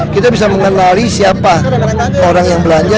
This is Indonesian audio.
kita bisa mengenali siapa orang yang belanja